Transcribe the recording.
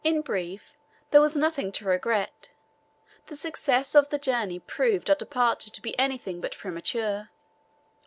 In brief, there was nothing to regret the success of the journey proved our departure to be anything but premature.